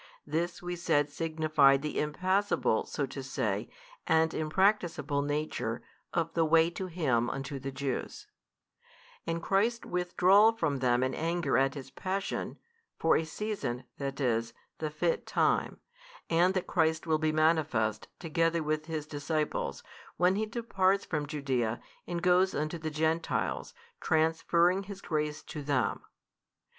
This we said signified the impassable so to say and impracticable nature of the way to Him unto the Jews, |335 and Christ's withdrawal from them in anger at His Passion, for a season, that is, the fit time, and that Christ will be manifest, together with His disciples, when He departs from Judaea, and goes unto the Gentiles, transferring His grace to them.